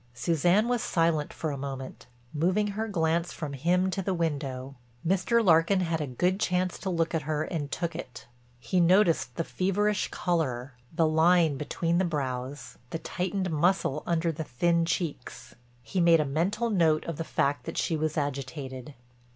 Suzanne was silent for a moment moving her glance from him to the window. Mr. Larkin had a good chance to look at her and took it. He noticed the feverish color, the line between the brows, the tightened muscles under the thin cheeks. He made a mental note of the fact that she was agitated.